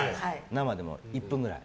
生でも１分ぐらい。